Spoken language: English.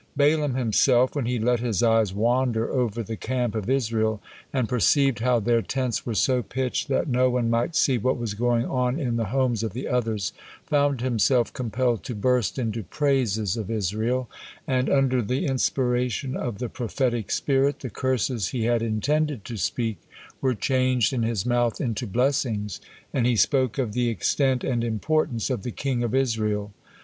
Balaam himself, when he let his eyes wander over the camp of Israel, and perceived how their tents were so pitched that no one might see what was going on in the homes of the others, found himself compelled to burst into praises of Israel; and, under the inspiration of the prophetic spirit, the curses he had intended to speak were changed in his mouth into blessings, and he spoke of the extent and importance of the kingdom of Israel.